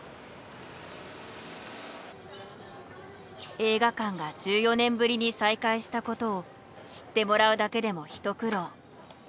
映画館が１４年ぶりに再開したことを知ってもらうだけでも一苦労。